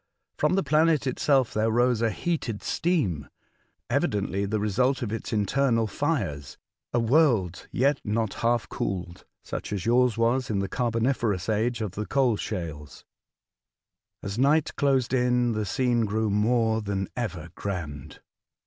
From the planet itself there rose a heated steam, evidently the result of its inter nal fires — a world yet not half cooled, such as yours was in the carboniferous age of the coal shales. As night closed in, the scene grew more than ever grand.